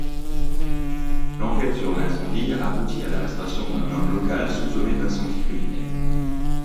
L'enquête sur l'incendie a abouti à l'arrestation d'un homme local soupçonné d'incendie criminel.